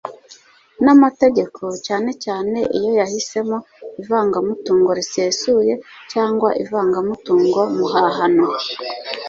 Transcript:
n'amategeko, cyane cyane iyo yahisemo ivangamutungo risesuye cyangwa ivangamutungo muhahano